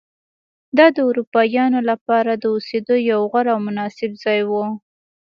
دا د اروپایانو لپاره د اوسېدو یو غوره او مناسب ځای و.